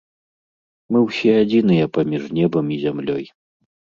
Мы ўсе адзіныя паміж небам і зямлёй.